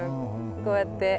こうやって。